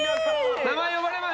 名前呼ばれました。